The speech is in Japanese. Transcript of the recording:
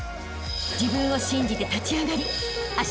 ［自分を信じて立ち上がりあしたへ